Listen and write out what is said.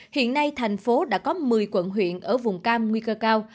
hiện nay thành phố đã có một mươi quận huyện ở vùng cam nguy cơ cao